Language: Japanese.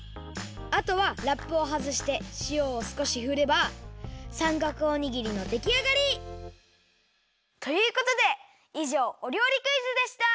あとはラップをはずしてしおをすこしふればさんかくおにぎりのできあがり！ということでいじょうお料理クイズでした！